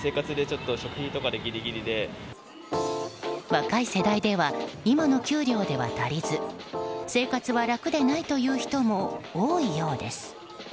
若い世代では今の給料では足りず生活は楽でないという人も多いようです。